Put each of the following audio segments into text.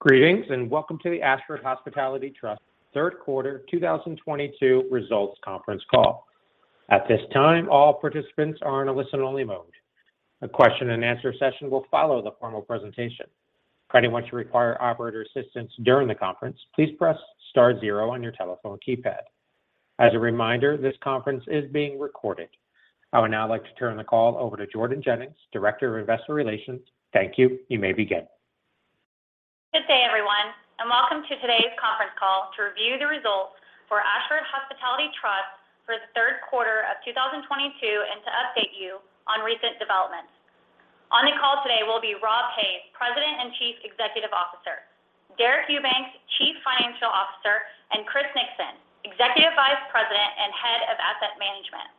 Greetings. Welcome to the Ashford Hospitality Trust third quarter 2022 results conference call. At this time, all participants are in a listen-only mode. A question-and-answer session will follow the formal presentation. If at any time you require operator assistance during the conference, please press star zero on your telephone keypad. As a reminder, this conference is being recorded. I would now like to turn the call over to Jordan Jennings, Director of Investor Relations. Thank you. You may begin. Good day, everyone, and welcome to today's conference call to review the results for Ashford Hospitality Trust for the third quarter of 2022 and to update you on recent developments. On the call today will be Rob Hays, President and Chief Executive Officer, Deric Eubanks, Chief Financial Officer, and Chris Nixon, Executive Vice President and Head of Asset Management.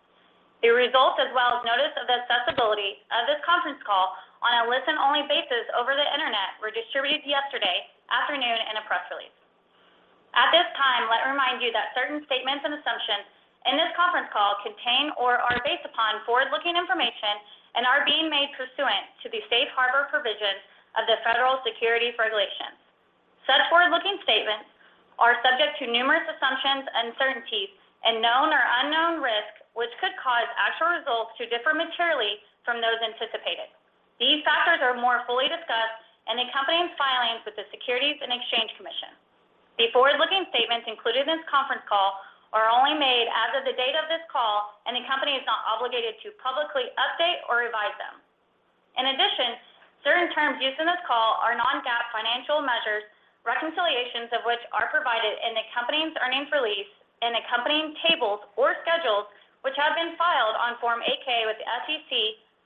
The results as well as notice of accessibility of this conference call on a listen-only basis over the internet were distributed yesterday afternoon in a press release. At this time, let me remind you that certain statements and assumptions in this conference call contain or are based upon forward-looking information and are being made pursuant to the Safe Harbor provisions of the Federal Securities Regulation. Such forward-looking statements are subject to numerous assumptions, uncertainties, and known or unknown risks which could cause actual results to differ materially from those anticipated. These factors are more fully discussed in accompanying filings with the Securities and Exchange Commission. The forward-looking statements included in this conference call are only made as of the date of this call, and the company is not obligated to publicly update or revise them. In addition, certain terms used in this call are non-GAAP financial measures, reconciliations of which are provided in the company's earnings release and accompanying tables or schedules, which have been filed on Form 8-K with the SEC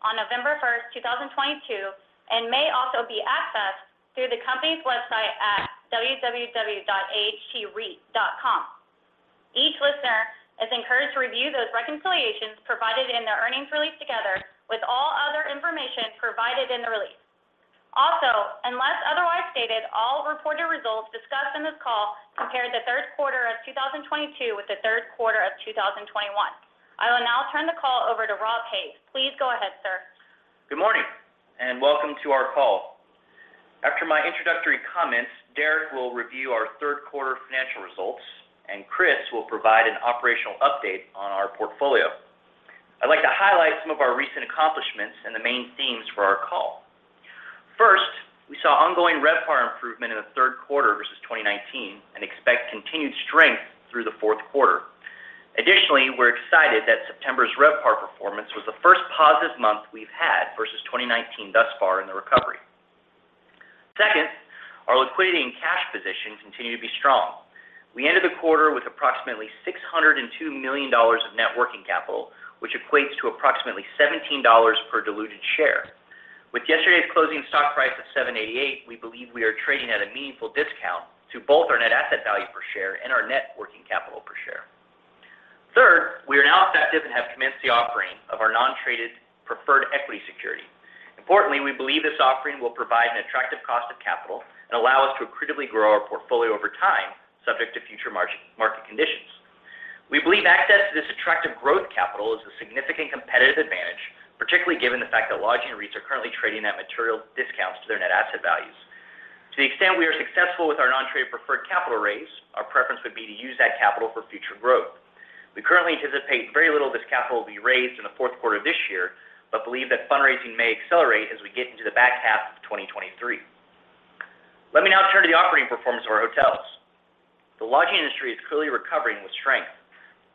on November 1, 2022, and may also be accessed through the company's website at www.ahtreit.com. Each listener is encouraged to review those reconciliations provided in the earnings release together with all other information provided in the release. Also, unless otherwise stated, all reported results discussed in this call compare the third quarter of 2022 with the third quarter of 2021. I will now turn the call over to Rob Hays. Please go ahead, sir. Good morning and welcome to our call. After my introductory comments, Deric will review our third quarter financial results, and Chris will provide an operational update on our portfolio. I'd like to highlight some of our recent accomplishments and the main themes for our call. First, we saw ongoing RevPAR improvement in the third quarter versus 2019 and expect continued strength through the fourth quarter. Additionally, we're excited that September's RevPAR performance was the first positive month we've had versus 2019 thus far in the recovery. Second, our liquidity and cash position continue to be strong. We ended the quarter with approximately $602 million of net working capital, which equates to approximately $17 per diluted share. With yesterday's closing stock price of $7.88, we believe we are trading at a meaningful discount to both our net asset value per share and our net working capital per share. Third, we are now effective and have commenced the offering of our non-traded preferred equity security. Importantly, we believe this offering will provide an attractive cost of capital and allow us to accretively grow our portfolio over time, subject to future market conditions. We believe access to this attractive growth capital is a significant competitive advantage, particularly given the fact that lodging REITs are currently trading at material discounts to their net asset values. To the extent we are successful with our non-traded preferred capital raise, our preference would be to use that capital for future growth. We currently anticipate very little of this capital will be raised in the fourth quarter of this year, but believe that fundraising may accelerate as we get into the back half of 2023. Let me now turn to the operating performance of our hotels. The lodging industry is clearly recovering with strength.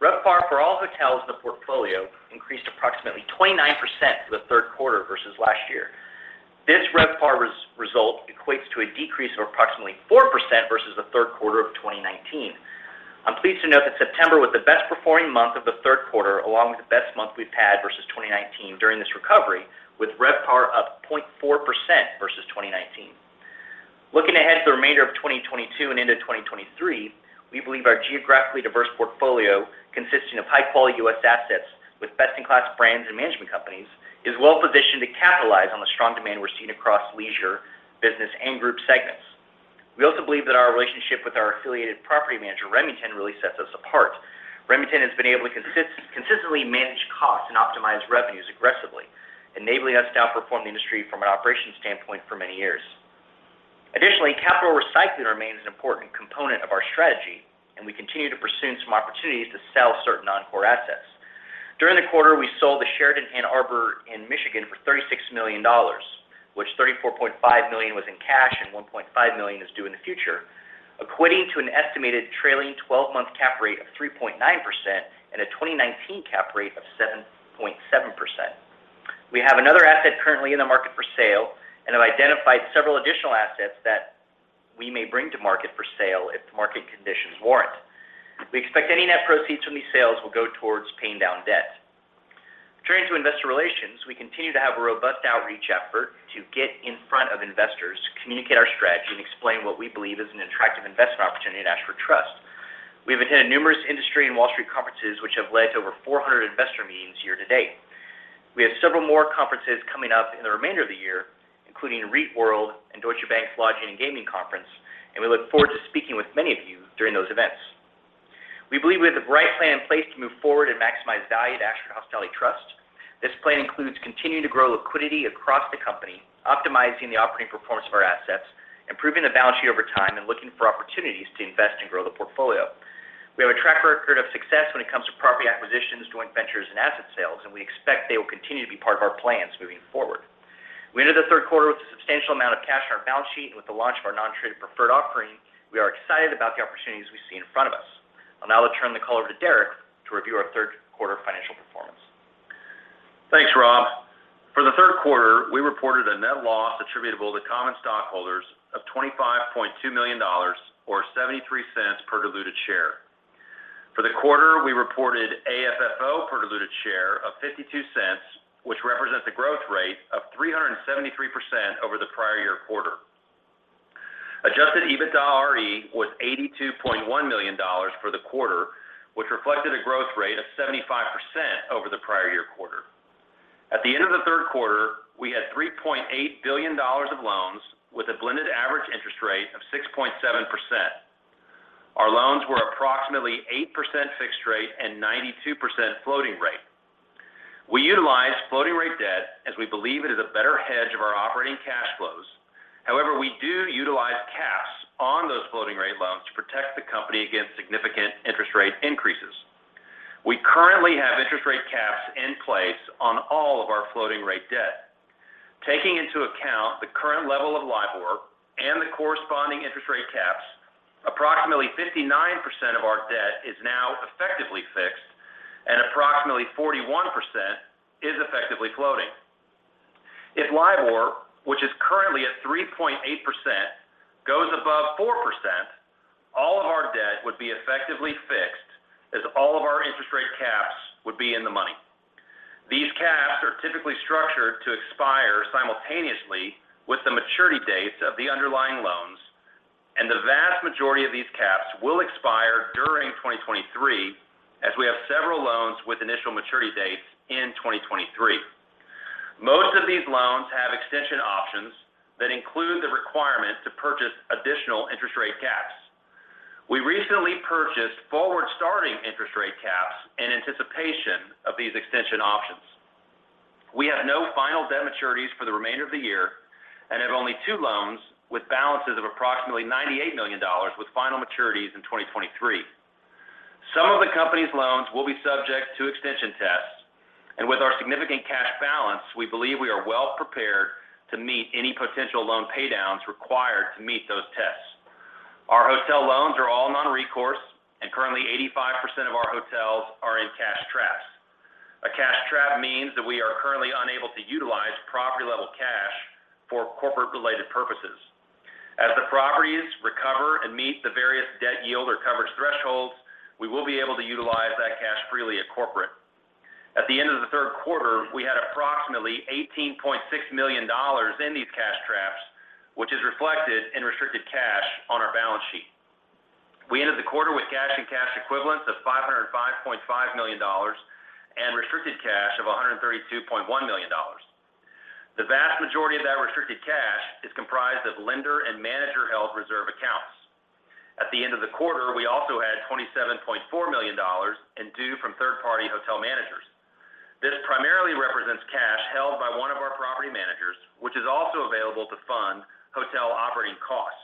RevPAR for all hotels in the portfolio increased approximately 29% for the third quarter versus last year. This RevPAR result equates to a decrease of approximately 4% versus the third quarter of 2019. I'm pleased to note that September was the best-performing month of the third quarter, along with the best month we've had versus 2019 during this recovery, with RevPAR up 0.4% versus 2019. Looking ahead to the remainder of 2022 and into 2023, we believe our geographically-diverse portfolio, consisting of high-quality U.S. assets with best-in-class brands and management companies, is well-positioned to capitalize on the strong demand we're seeing across leisure, business, and group segments. We also believe that our relationship with our affiliated property manager, Remington, really sets us apart. Remington has been able to consistently manage costs and optimize revenues aggressively, enabling us to outperform the industry from an operations standpoint for many years. Additionally, capital recycling remains an important component of our strategy, and we continue to pursue some opportunities to sell certain non-core assets. During the quarter, we sold the Sheraton Ann Arbor in Michigan for $36 million, of which $34.5 million was in cash and $1.5 million is due in the future, equating to an estimated trailing 12-month cap rate of 3.9% and a 2019 cap rate of 7.7%. We have another asset currently in the market for sale and have identified several additional assets that we may bring to market for sale if market conditions warrant. We expect any net proceeds from these sales will go towards paying down debt. Turning to Investor Relations, we continue to have a robust outreach effort to get in front of investors to communicate our strategy and explain what we believe is an attractive investment opportunity at Ashford Trust. We have attended numerous industry and Wall Street conferences, which have led to over 400 investor meetings year-to-date. We have several more conferences coming up in the remainder of the year, including REITworld and Deutsche Bank's Lodging and Gaming Conference, and we look forward to speaking with many of you during those events. We believe we have the right plan in place to move forward and maximize value at Ashford Hospitality Trust. This plan includes continuing to grow liquidity across the company, optimizing the operating performance of our assets, improving the balance sheet over time, and looking for opportunities to invest and grow the portfolio. We have a track record of success when it comes to property acquisitions, joint ventures, and asset sales, and we expect they will continue to be part of our plans moving forward. We ended the third quarter with a substantial amount of cash in our balance sheet, and with the launch of our non-traded preferred offering, we are excited about the opportunities we see in front of us. I'll now turn the call over to Deric to review our third quarter financial performance. Thanks, Rob. For the third quarter, we reported a net loss attributable to common stockholders of $25.2 million or $0.73 per diluted share. For the quarter, we reported AFFO per diluted share of $0.52, which represents a growth rate of 373% over the prior year quarter. Adjusted EBITDAre was $82.1 million for the quarter, which reflected a growth rate of 75% over the prior year quarter. At the end of the third quarter, we had $3.8 billion of loans with a blended average interest rate of 6.7%. Our loans were approximately 8% fixed rate and 92% floating rate. We utilize floating rate debt as we believe it is a better hedge of our operating cash flows. However, we do utilize caps on those floating rate loans to protect the company against significant interest rate increases. We currently have interest rate caps in place on all of our floating rate debt. Taking into account the current level of LIBOR and the corresponding interest rate caps, approximately 59% of our debt is now effectively fixed, and approximately 41% is effectively floating. If LIBOR, which is currently at 3.8%, goes above 4%, all of our debt would be effectively fixed as all of our interest rate caps would be in the money. These caps are typically structured to expire simultaneously with the maturity dates of the underlying loans, and the vast majority of these caps will expire during 2023, as we have several loans with initial maturity dates in 2023. Most of these loans have extension options that include the requirement to purchase additional interest rate caps. We recently purchased forward-starting interest rate caps in anticipation of these extension options. We have no final debt maturities for the remainder of the year and have only two loans with balances of approximately $98 million with final maturities in 2023. Some of the company's loans will be subject to extension tests, and with our significant cash balance, we believe we are well prepared to meet any potential loan paydowns required to meet those tests. Our hotel loans are all non-recourse, and currently 85% of our hotels are in cash traps. A cash trap means that we are currently unable to utilize property-level cash for corporate-related purposes. As the properties recover and meet the various debt yield or coverage thresholds, we will be able to utilize that cash freely at corporate. At the end of the third quarter, we had approximately $18.6 million in these cash traps, which is reflected in restricted cash on our balance sheet. We ended the quarter with cash and cash equivalents of $505.5 million and restricted cash of $132.1 million. The vast majority of that restricted cash is comprised of lender and manager-held reserve accounts. At the end of the quarter, we also had $27.4 million in due from third-party hotel managers. This primarily represents cash held by one of our property managers, which is also available to fund hotel operating costs.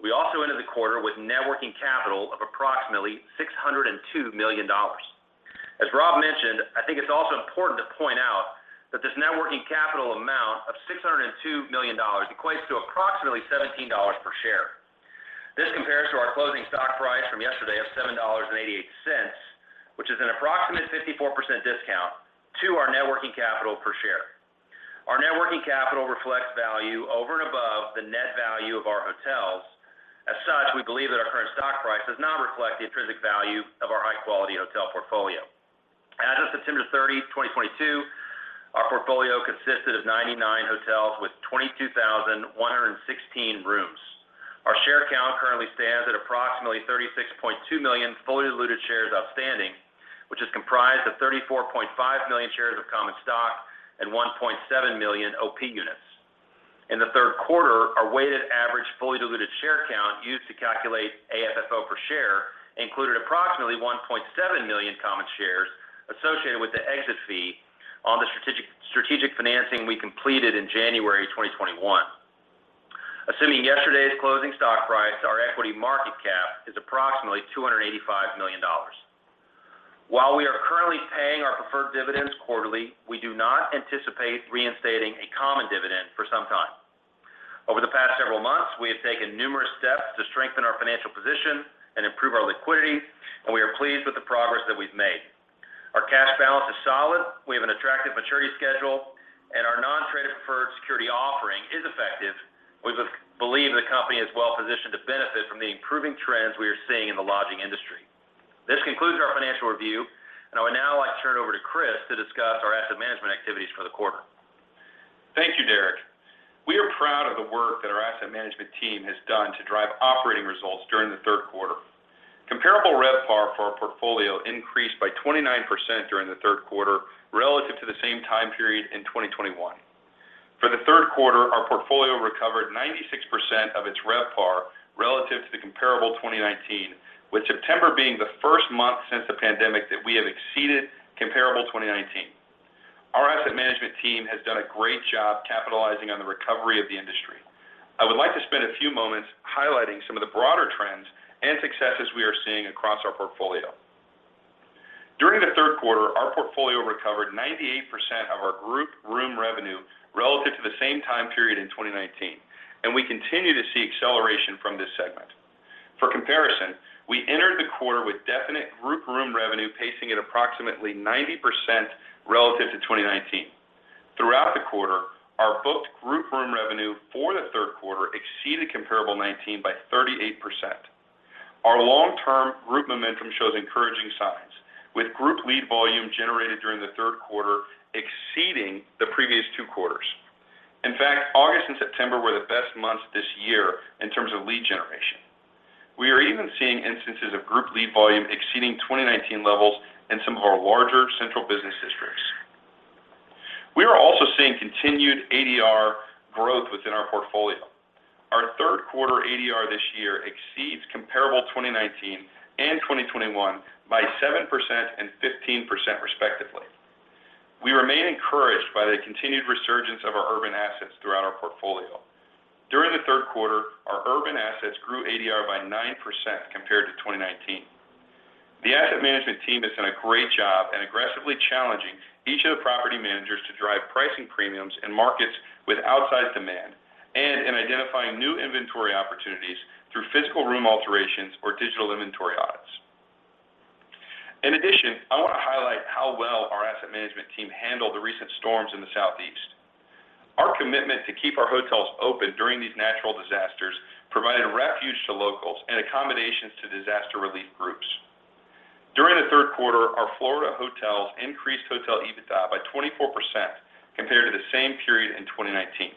We ended the quarter with net working capital of approximately $602 million. As Rob mentioned, I think it's also important to point out that this net working capital amount of $602 million equates to approximately $17 per share. This compares to our closing stock price from yesterday of $7.88, which is an approximate 54% discount to our net working capital per share. Our net working capital reflects value over and above the net value of our hotels. As such, we believe that our current stock price does not reflect the intrinsic value of our high-quality hotel portfolio. As of September 30, 2022, our portfolio consisted of 99 hotels with 22,116 rooms. Our share count currently stands at approximately 36.2 million fully diluted shares outstanding, which is comprised of 34.5 million shares of common stock and 1.7 million OP Units. In the third quarter, our weighted average fully diluted share count used to calculate AFFO per share included approximately 1.7 million common shares associated with the exit fee on the strategic financing we completed in January 2021. Assuming yesterday's closing stock price, our equity market cap is approximately $285 million. While we are currently paying our preferred dividends quarterly, we do not anticipate reinstating a common dividend for some time. Over the past several months, we have taken numerous steps to strengthen our financial position and improve our liquidity, and we are pleased with the progress that we've made. Our cash balance is solid. We have an attractive maturity schedule, and our non-traded preferred security offering is effective. We believe the company is well-positioned to benefit from the improving trends we are seeing in the lodging industry. This concludes our financial review. I would now like to turn it over to Chris to discuss our asset management activities for the quarter. Thank you, Deric. We are proud of the work that our asset management team has done to drive operating results during the third quarter. Comparable RevPAR for our portfolio increased by 29% during the third quarter relative to the same time period in 2021. The third quarter, our portfolio recovered 96% of its RevPAR relative to the comparable 2019, with September being the first month since the pandemic that we have exceeded comparable 2019. Our asset management team has done a great job capitalizing on the recovery of the industry. I would like to spend a few moments highlighting some of the broader trends and successes we are seeing across our portfolio. During the third quarter, our portfolio recovered 98% of our group room revenue relative to the same time period in 2019, and we continue to see acceleration from this segment. For comparison, we entered the quarter with definite group room revenue pacing at approximately 90% relative to 2019. Throughout the quarter, our booked group room revenue for the third quarter exceeded comparable 2019 by 38%. Our long-term group momentum shows encouraging signs, with group lead volume generated during the third quarter exceeding the previous two quarters. In fact, August and September were the best months this year in terms of lead generation. We are even seeing instances of group lead volume exceeding 2019 levels in some of our larger central business districts. We are also seeing continued ADR growth within our portfolio. Our third quarter ADR this year exceeds comparable 2019 and 2021 by 7% and 15% respectively. We remain encouraged by the continued resurgence of our urban assets throughout our portfolio. During the third quarter, our urban assets grew ADR by 9% compared to 2019. The asset management team has done a great job in aggressively challenging each of the property managers to drive pricing premiums in markets with outsized demand and in identifying new inventory opportunities through physical room alterations or digital inventory audits. In addition, I want to highlight how well our asset management team handled the recent storms in the Southeast. Our commitment to keep our hotels open during these natural disasters provided refuge to locals and accommodations to disaster relief groups. During the third quarter, our Florida hotels increased hotel EBITDA by 24% compared to the same period in 2019.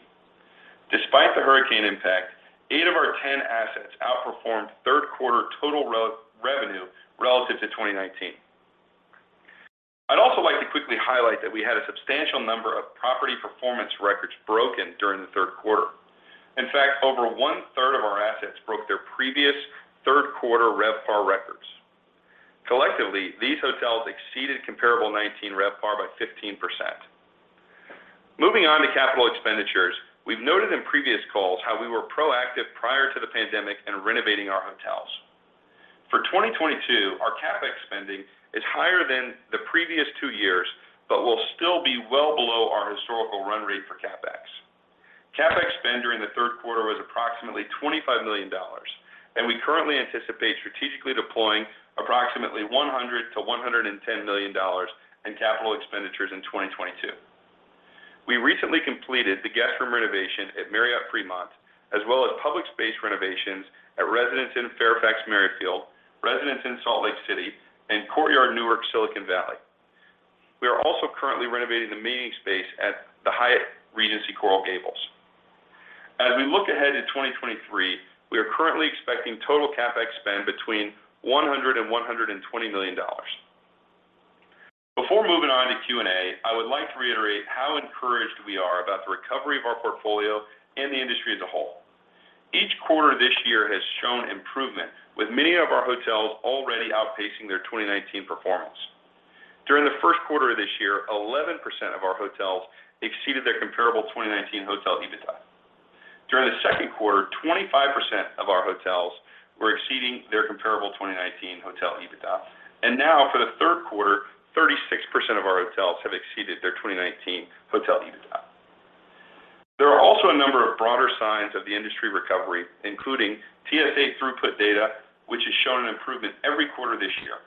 Despite the hurricane impact, eight of our 10 assets outperformed third quarter total revenue relative to 2019. I'd also like to quickly highlight that we had a substantial number of property performance records broken during the third quarter. In fact, over 1/3 of our assets broke their previous third quarter RevPAR records. Collectively, these hotels exceeded comparable 2019 RevPAR by 15%. Moving on to capital expenditures. We've noted in previous calls how we were proactive prior to the pandemic in renovating our hotels. For 2022, our CapEx spending is higher than the previous two years, but will still be well below our historical run rate for CapEx. CapEx spend during the third quarter was approximately $25 million, and we currently anticipate strategically deploying approximately $100 million-$110 million in capital expenditures in 2022. We recently completed the guest room renovation at Marriott Fremont, as well as public space renovations at Residence Inn Fairfax Merrifield, Residence Inn Salt Lake City, and Courtyard Newark Silicon Valley. We are also currently renovating the meeting space at the Hyatt Regency Coral Gables. As we look ahead to 2023, we are currently expecting total CapEx spend between $100 million and $120 million. Before moving on to Q&A, I would like to reiterate how encouraged we are about the recovery of our portfolio and the industry as a whole. Each quarter this year has shown improvement, with many of our hotels already outpacing their 2019 performance. During the first quarter of this year, 11% of our hotels exceeded their comparable 2019 hotel EBITDA. During the second quarter, 25% of our hotels were exceeding their comparable 2019 hotel EBITDA. Now for the third quarter, 36% of our hotels have exceeded their 2019 hotel EBITDA. There are also a number of broader signs of the industry recovery, including TSA throughput data, which has shown an improvement every quarter this year.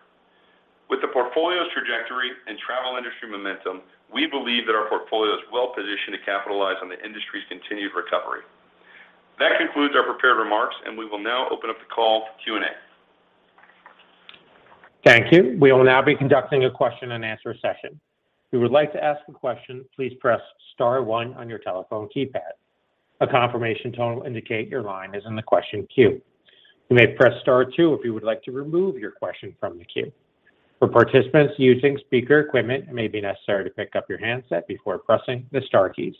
With the portfolio's trajectory and travel industry momentum, we believe that our portfolio is well positioned to capitalize on the industry's continued recovery. That concludes our prepared remarks, and we will now open up the call for Q&A. Thank you. We will now be conducting a question-and-answer session. If you would like to ask a question, please press star one on your telephone keypad. A confirmation tone will indicate your line is in the question queue. You may press star two if you would like to remove your question from the queue. For participants using speaker equipment, it may be necessary to pick up your handset before pressing the star keys.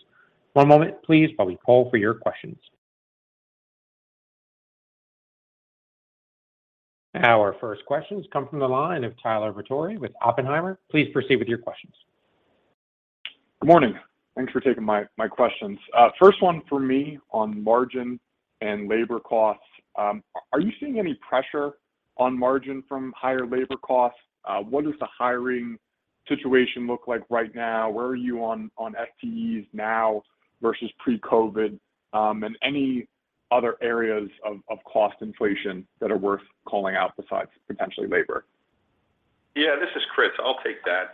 One moment please while we poll for your questions. Our first question comes from the line of Tyler Batory with Oppenheimer. Please proceed with your questions. Good morning. Thanks for taking my questions. First one for me on margin and labor costs. Are you seeing any pressure on margin from higher labor costs? What does the hiring situation look like right now? Where are you on FTEs now versus pre-COVID? And any other areas of cost inflation that are worth calling out besides potentially labor? Yeah, this is Chris. I'll take that.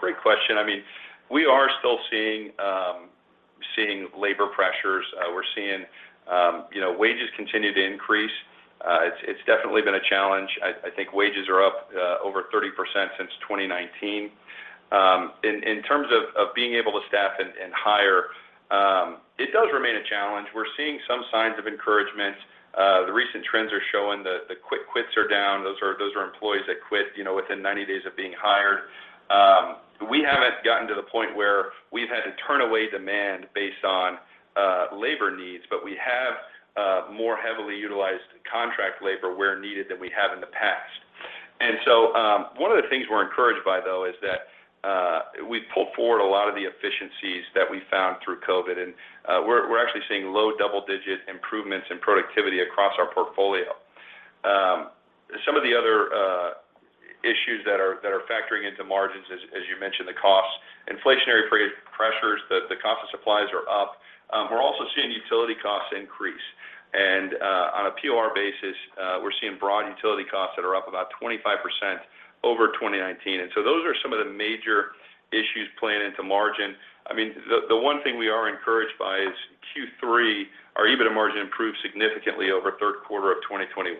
Great question. I mean, we are still seeing labor pressures. We're seeing, you know, wages continue to increase. It's definitely been a challenge. I think wages are up over 30% since 2019. In terms of being able to staff and hire, it does remain a challenge. We're seeing some signs of encouragement. The recent trends are showing the quick quits are down. Those are employees that quit, you know, within 90 days of being hired. Where we've had to turn away demand based on labor needs, but we have more heavily utilized contract labor where needed than we have in the past. One of the things we're encouraged by though is that we pulled forward a lot of the efficiencies that we found through COVID, and we're actually seeing low double-digit improvements in productivity across our portfolio. Some of the other issues that are factoring into margins as you mentioned, the costs, inflationary pressures, the cost of supplies are up. We're also seeing utility costs increase. On a POR basis, we're seeing utility costs that are up about 25% over 2019. Those are some of the major issues playing into margin. I mean, the one thing we are encouraged by is Q3, our EBITDA margin improved significantly over third quarter of 2021.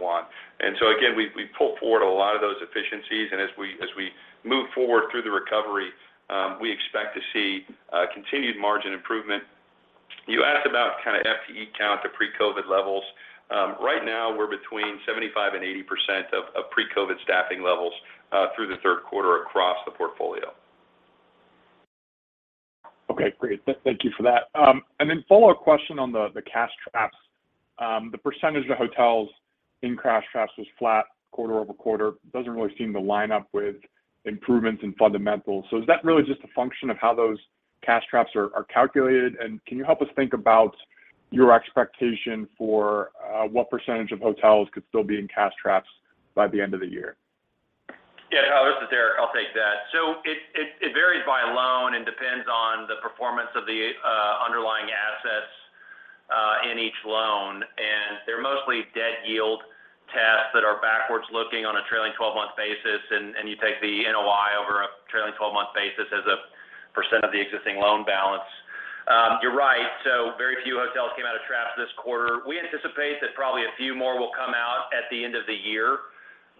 Again, we pulled forward a lot of those efficiencies, and as we move forward through the recovery, we expect to see continued margin improvement. You asked about kind of FTE count to pre-COVID levels. Right now we're between 75% and 80% of pre-COVID staffing levels through the third quarter across the portfolio. Okay. Great. Thank you for that. Then follow-up question on the cash traps. The percentage of hotels in cash traps was flat quarter-over-quarter, doesn't really seem to line up with improvements in fundamentals. Is that really just a function of how those cash traps are calculated? Can you help us think about your expectation for what percentage of hotels could still be in cash traps by the end of the year? Yeah, Tyler, this is Deric. I'll take that. It varies by loan and depends on the performance of the underlying assets in each loan. They're mostly debt yield tests that are backward-looking on a trailing 12-month basis, and you take the NOI over a trailing 12-month basis as a % of the existing loan balance. You're right, so very few hotels came out of traps this quarter. We anticipate that probably a few more will come out at the end of the year.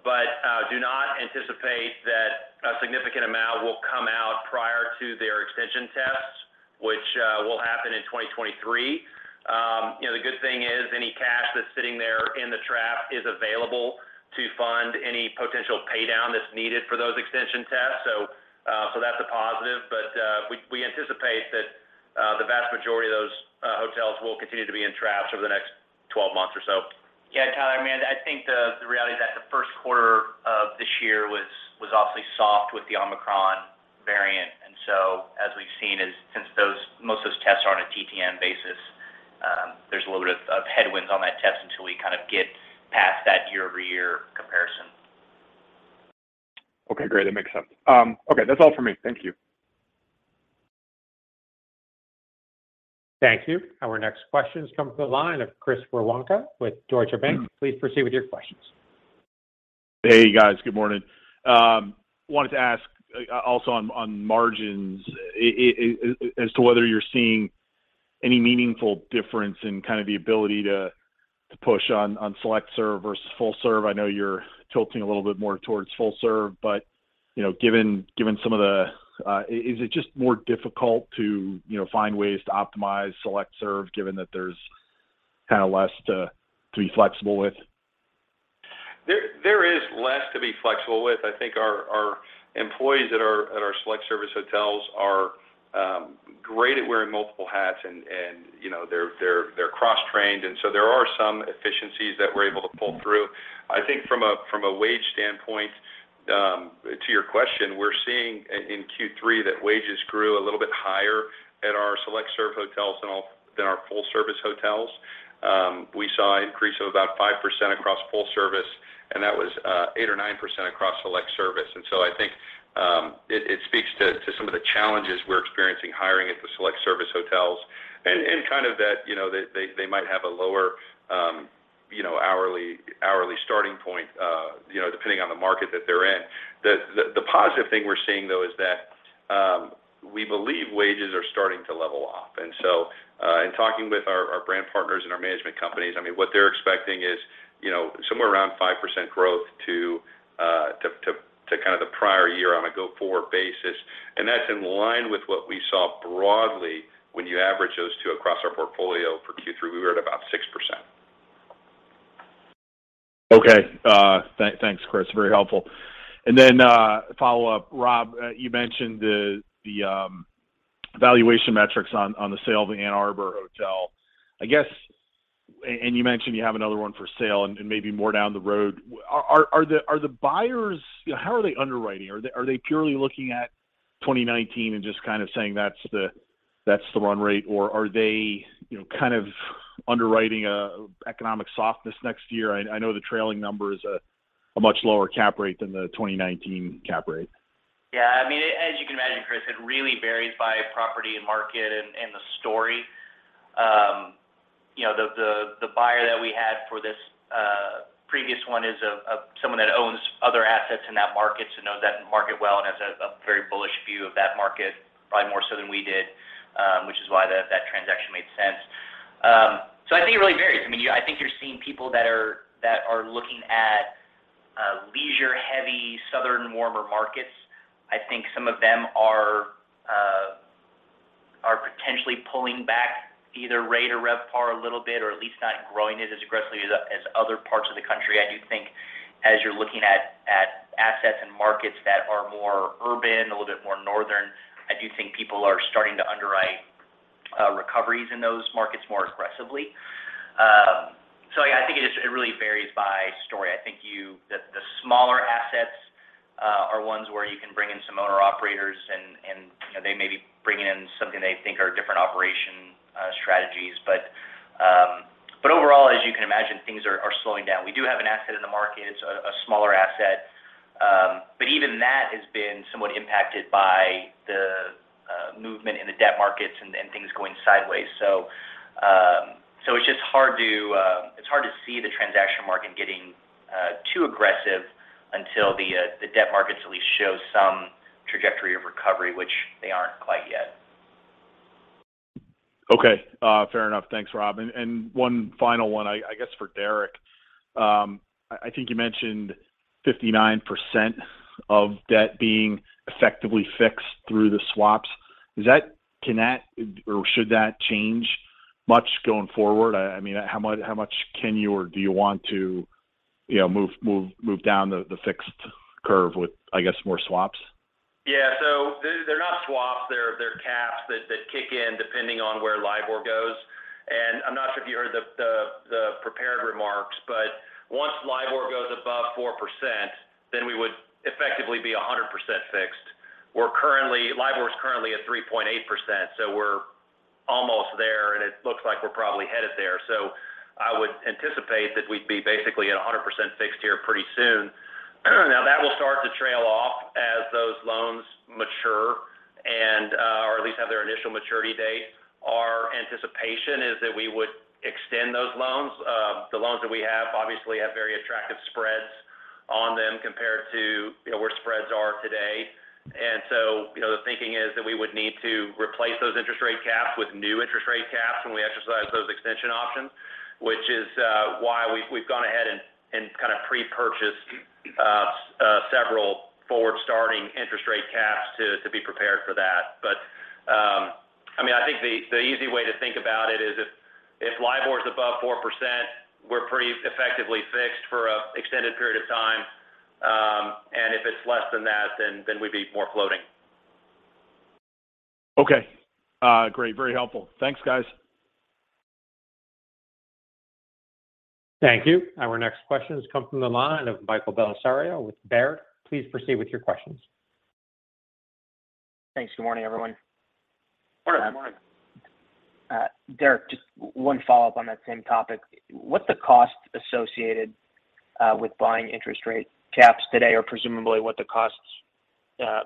Do not anticipate that a significant amount will come out prior to their extension tests, which will happen in 2023. You know, the good thing is any cash that's sitting there in the trap is available to fund any potential pay down that's needed for those extension tests. That's a positive. We anticipate that the vast majority of those hotels will continue to be in trap over the next 12 months or so. Yeah, Tyler, I mean, I think the reality is that the first quarter of this year was obviously soft with the Omicron variant. As we've seen, since most of those tests are on a TTM basis, there's a little bit of headwinds on that test until we kind of get past that year-over-year comparison. Okay, great. That makes sense. Okay. That's all for me. Thank you. Thank you. Our next question comes from the line of Chris Woronka with Deutsche Bank. Please proceed with your questions. Hey, guys. Good morning. Wanted to ask also on margins as to whether you're seeing any meaningful difference in kind of the ability to push on select-serve versus full-serve. I know you're tilting a little bit more towards full-serve, but you know, given some of the. Is it just more difficult to you know, find ways to optimize select-serve given that there's kind of less to be flexible with? There is less to be flexible with. I think our employees at our select-service hotels are great at wearing multiple hats and, you know, they're cross-trained, and so there are some efficiencies that we're able to pull through. I think from a wage standpoint, to your question, we're seeing in Q3 that wages grew a little bit higher at our select-service hotels than our full-service hotels. We saw an increase of about 5% across full-service, and that was 8% or 9% across select-service. I think it speaks to some of the challenges we're experiencing hiring at the select-service hotels and kind of that, you know, they might have a lower, you know, hourly starting point, you know, depending on the market that they're in. The positive thing we're seeing, though, is that we believe wages are starting to level off. In talking with our brand partners and our management companies, I mean, what they're expecting is, you know, somewhere around 5% growth to kind of the prior year on a go-forward basis. That's in line with what we saw broadly when you average those two across our portfolio for Q3, we were at about 6%. Okay. Thanks, Chris. Very helpful. Then, follow-up. Rob, you mentioned the valuation metrics on the sale of the Ann Arbor Hotel. I guess you mentioned you have another one for sale and maybe more down the road. How are they underwriting? Are they purely looking at 2019 and just kind of saying that's the run rate? Or are they, you know, kind of underwriting economic softness next year? I know the trailing number is a much lower cap rate than the 2019 cap rate. Yeah. I mean, as you can imagine, Chris, it really varies by property and market and the story. You know, the buyer that we had for this previous one is someone that owns other assets in that market, so knows that market well and has a very bullish view of that market, probably more so than we did, which is why that transaction made sense. I think it really varies. I mean, I think you're seeing people that are looking at leisure-heavy southern warmer markets. I think some of them are potentially pulling back either rate or RevPAR a little bit, or at least not growing it as aggressively as other parts of the country. I do think as you're looking at assets and markets that are more urban, a little bit more northern, I do think people are starting to underwrite recoveries in those markets more aggressively. I think it really varies by story. I think the smaller assets are ones where you can bring in some owner-operators and, you know, they may be bringing in something they think are different operational strategies. But overall, as you can imagine, things are slowing down. We do have an asset in the market. It's a smaller asset. Even that has been somewhat impacted by the movement in the debt markets and then things going sideways. It's just hard to see the transaction market getting too aggressive until the debt markets at least show some trajectory of recovery, which they aren't quite yet. Okay. Fair enough. Thanks, Rob. One final one, I guess, for Deric. I think you mentioned 59% of debt being effectively fixed through the swaps. Can that or should that change much going forward? I mean, how much can you or do you want to, you know, move down the fixed curve with, I guess, more swaps? Yeah. They're not swaps, they're caps that kick in depending on where LIBOR goes. And I'm not sure if you heard the prepared remarks, but once LIBOR goes above 4%, then we would effectively be 100% fixed. LIBOR is currently at 3.8%, so we're almost there, and it looks like we're probably headed there. I would anticipate that we'd be basically at 100% fixed here pretty soon. Now, that will start to trail off as those loans mature and, or at least have their initial maturity date. Our anticipation is that we would extend those loans. The loans that we have obviously have very attractive spreads on them compared to, you know, where spreads are today. You know, the thinking is that we would need to replace those interest rate caps with new interest rate caps when we exercise those extension options, which is why we've gone ahead and kind of pre-purchased several forward-starting interest rate caps to be prepared for that. I mean, I think the easy way to think about it is if LIBOR is above 4%, we're pretty effectively fixed for an extended period of time. If it's less than that, then we'd be more floating. Okay. Great. Very helpful. Thanks, guys. Thank you. Our next question has come from the line of Michael Bellisario with Baird. Please proceed with your questions. Thanks. Good morning, everyone. Good morning. Good morning. Deric, just one follow-up on that same topic. What's the cost associated with buying interest rate caps today, or presumably what the costs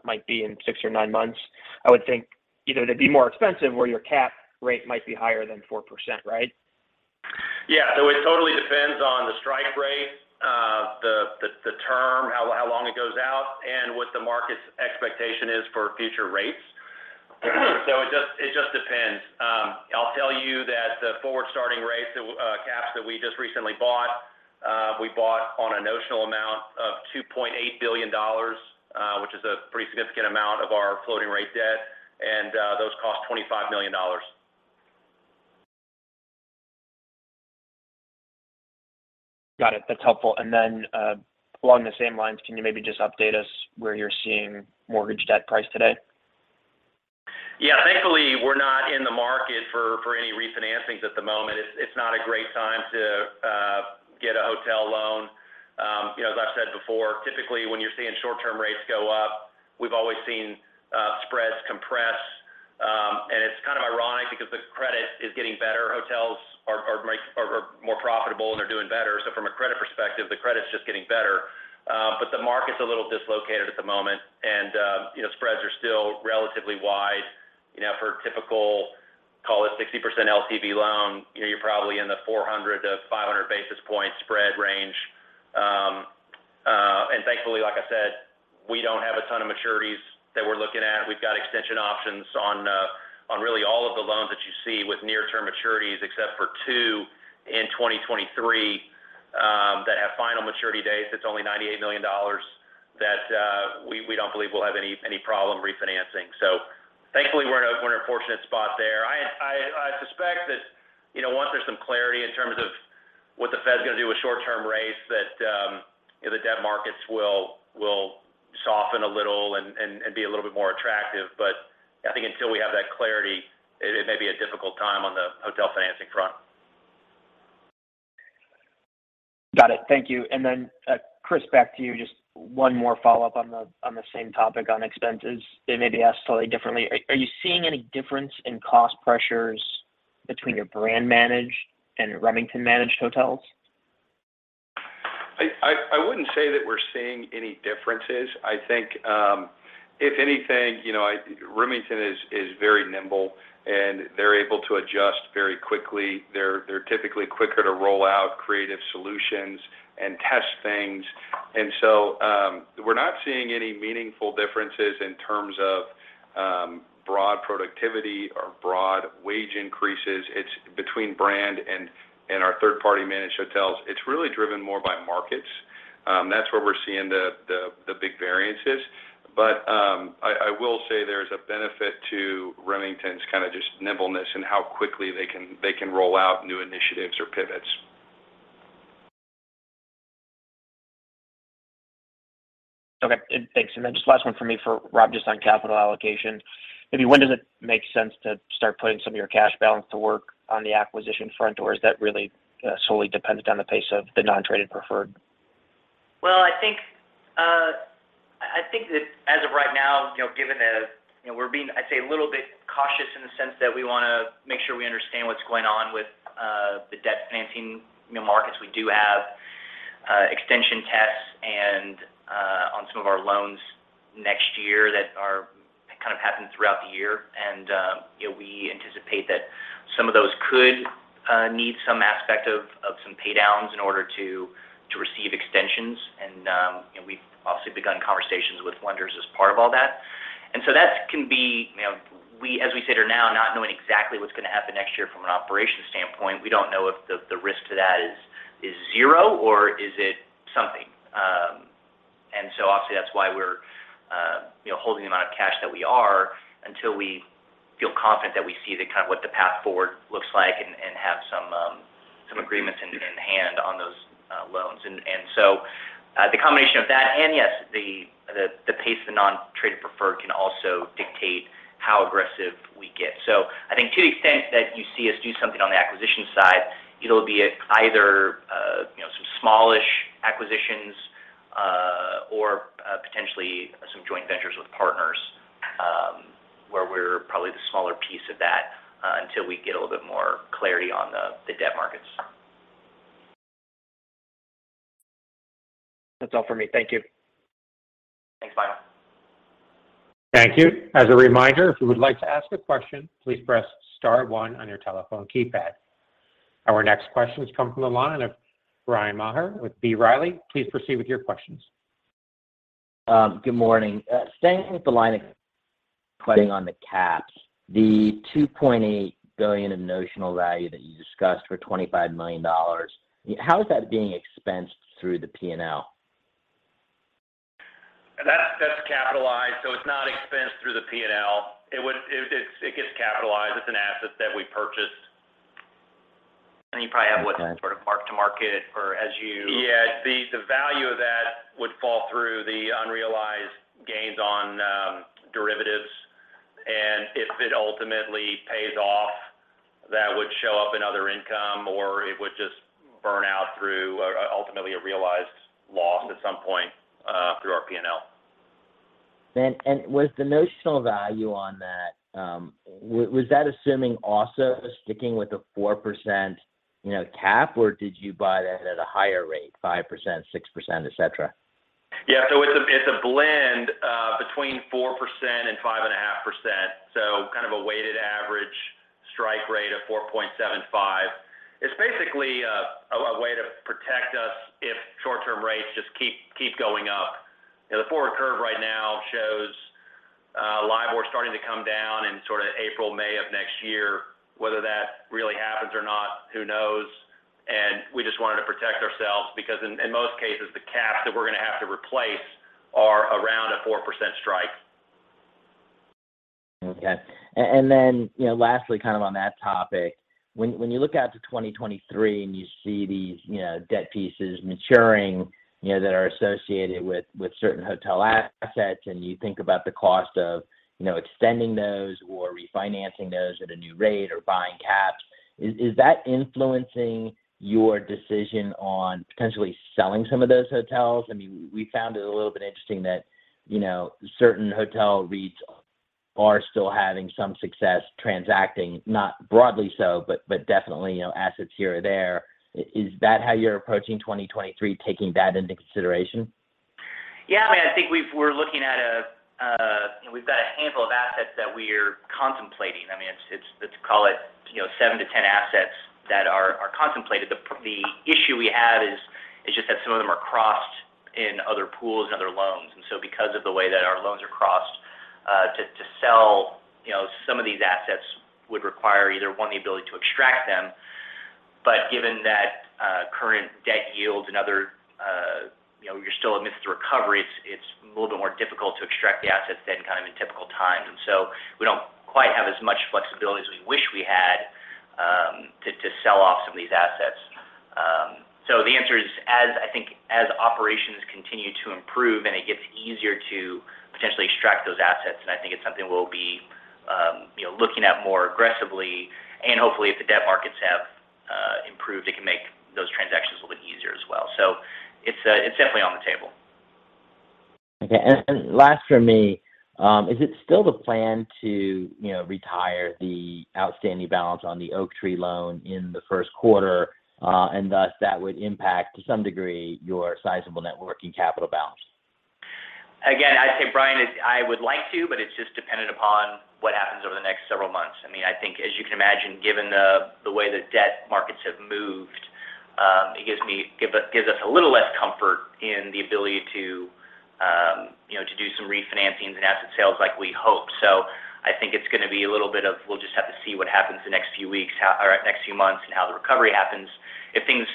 might be in six or nine months? I would think either they'd be more expensive or your cap rate might be higher than 4%, right? Yeah. It totally depends on the strike rate, the term, how long it goes out, and what the market's expectation is for future rates. It just depends. I'll tell you that the forward-starting rate caps that we just recently bought, we bought on a notional amount of $2.8 billion, which is a pretty significant amount of our floating rate debt, and those cost $25 million. Got it. That's helpful. Then, along the same lines, can you maybe just update us where you're seeing mortgage debt price today? Yeah. Thankfully, we're not in the market for any refinancings at the moment. It's not a great time to get a hotel loan. You know, as I've said before, typically, when you're seeing short-term rates go up, we've always seen spreads compress. It's kind of ironic because the credit is getting better. Hotels are more profitable, and they're doing better. So from a credit perspective, the credit's just getting better. But the market's a little dislocated at the moment, and you know, spreads are still relatively wide. You know, for a typical, call it 60% LTV loan, you know, you're probably in the 400-500 basis points spread range. Thankfully, like I said, we don't have a ton of maturities that we're looking at. We've got extension options on really all of the loans that you see with near-term maturities, except for two in 2023 that have final maturity dates. It's only $98 million that we don't believe we'll have any problem refinancing. Thankfully, we're in a fortunate spot there. I suspect that, you know, once there's some clarity in terms of what the Fed's gonna do with short-term rates, that, you know, the debt markets will soften a little and be a little bit more attractive. I think until we have that clarity, it may be a difficult time on the hotel financing front. Got it. Thank you. Chris, back to you. Just one more follow-up on the same topic on expenses. It may be asked totally differently. Are you seeing any difference in cost pressures between your brand-managed and your Remington-managed hotels? I wouldn't say that we're seeing any differences. I think, if anything, you know, Remington is very nimble, and they're able to adjust very quickly. They're typically quicker to roll out creative solutions and test things. We're not seeing any meaningful differences in terms of, broad productivity or broad wage increases. It's between branded and our third-party managed hotels. It's really driven more by markets. That's where we're seeing the big variances. I will say there's a benefit to Remington's kinda just nimbleness in how quickly they can roll out new initiatives or pivots. Okay. Thanks. Just last one from me for Rob, just on capital allocation. Maybe when does it make sense to start putting some of your cash balance to work on the acquisition front, or is that really solely dependent on the pace of the non-traded preferred? I think that as of right now, you know, given the you know, we're being, I'd say, a little bit cautious in the sense that we wanna make sure we understand what's going on with the debt financing, you know, markets. We do have extension tests and on some of our loans next year that kind of happen throughout the year. You know, we anticipate that some of those could need some aspect of some pay downs in order to receive extensions. You know, we've obviously begun conversations with lenders as part of all that. That can be, you know, we— as we sit here now, not knowing exactly what's gonna happen next year from an operations standpoint, we don't know if the risk to that is zero or is it something. So obviously that's why we're you know, holding the amount of cash that we are until we feel confident that we see the kind of what the path forward looks like and have some agreements in hand on those loans. The combination of that and yes, the pace of the non-traded preferred can also dictate how aggressive we get. I think to the extent that you see us do something on the acquisition side, it'll be either, you know, some smallish acquisitions, or potentially some joint ventures with partners, where we're probably the smaller piece of that, until we get a little bit more clarity on the debt markets. That's all for me. Thank you. Thanks, Michael. Thank you. As a reminder, if you would like to ask a question, please press star one on your telephone keypad. Our next question has come from the line of Bryan Maher with B. Riley. Please proceed with your questions. Good morning. Staying with the line of putting on the caps, the $2.8 billion in notional value that you discussed for $25 million, how is that being expensed through the P&L? That's capitalized, so it's not expensed through the P&L. It gets capitalized. It's an asset that we purchased. You probably have what then, sort of mark-to-market or as you— Yeah. The value of that would fall through the unrealized gains on derivatives. If it ultimately pays off, that would show up in other income or it would just burn out through ultimately a realized loss at some point through our P&L. Was the notional value on that, was that assuming also sticking with the 4%, you know, cap, or did you buy that at a higher rate, 5%, 6%, et cetera? Yeah. It's a blend between 4% and 5.5%, so kind of a weighted average strike rate of 4.75%. It's basically a way to protect us if short-term rates just keep going up. You know, the forward curve right now shows LIBOR starting to come down in sort of April, May of next year. Whether that really happens or not, who knows? We just wanted to protect ourselves because in most cases, the caps that we're gonna have to replace are around a 4% strike. Okay. Then, you know, lastly kind of on that topic, when you look out to 2023 and you see these, you know, debt pieces maturing, you know, that are associated with certain hotel assets, and you think about the cost of, you know, extending those or refinancing those at a new rate or buying caps, is that influencing your decision on potentially selling some of those hotels? I mean, we found it a little bit interesting that, you know, certain hotel REITs are still having some success transacting, not broadly so, but definitely, you know, assets here or there. Is that how you're approaching 2023, taking that into consideration? Yeah. I mean, I think we're looking at a. You know, we've got a handful of assets that we're contemplating. I mean, it's let's call it, you know, 7-10 assets that are contemplated. The issue we have is just that some of them are crossed in other pools and other loans. Because of the way that our loans are crossed, to sell, you know, some of these assets would require either one, the ability to extract them. Given that current debt yields and other. You know, you're still amidst the recovery, it's a little bit more difficult to extract the assets than kind of in typical times. We don't quite have as much flexibility as we wish we had to sell off some of these assets. The answer is, as I think, as operations continue to improve and it gets easier to potentially extract those assets, then I think it's something we'll be, you know, looking at more aggressively. Hopefully, if the debt markets have improved, it can make those transactions a little bit easier as well. It's definitely on the table. Okay. Last for me, is it still the plan to, you know, retire the outstanding balance on the Oaktree loan in the first quarter, and thus that would impact to some degree your sizable net working capital balance? Again, I'd say, Bryan, I would like to, but it's just dependent upon what happens over the next several months. I mean, I think as you can imagine, given the way the debt markets have moved, it gives us a little less comfort in the ability to, you know, to do some refinancings and asset sales like we hoped. I think it's gonna be a little bit of we'll just have to see what happens the next few weeks, or next few months, and how the recovery happens. If things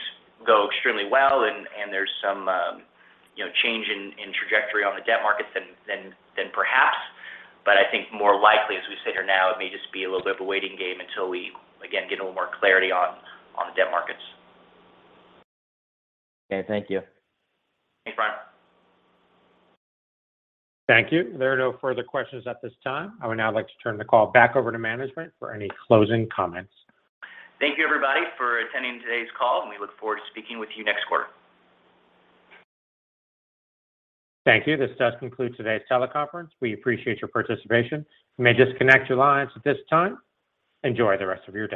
go extremely well and there's some, you know, change in trajectory on the debt markets, then perhaps. I think more likely as we sit here now, it may just be a little bit of a waiting game until we, again, get a little more clarity on the debt markets. Okay. Thank you. Thanks, Bryan. Thank you. There are no further questions at this time. I would now like to turn the call back over to management for any closing comments. Thank you everybody for attending today's call, and we look forward to speaking with you next quarter. Thank you. This does conclude today's teleconference. We appreciate your participation. You may disconnect your lines at this time. Enjoy the rest of your day.